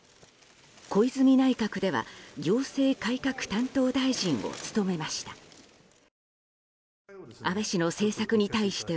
小泉内閣では行政改革担当大臣を務めました。